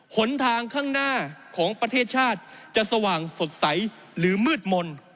หนทางข้างหน้าของประเทศชาติจะสว่างสดใสหรือมืดมนต์